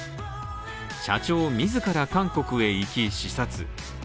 社長自ら韓国へ行き視察。